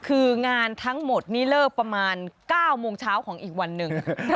คืองานทั้งหมดนี้เลิกประมาณ๙โมงเช้าของอีกวันหนึ่ง